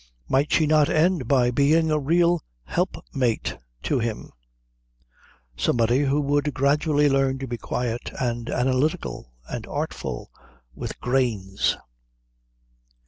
Might she not end by being a real helpmeet to him? Somebody who would gradually learn to be quiet and analytical and artful with grains?